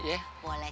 ya boleh deh